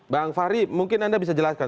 bang fahri mungkin anda bisa jelaskan